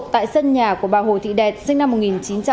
tại sân nhà của bà hồ thị đẹt sinh năm một nghìn chín trăm bốn mươi chín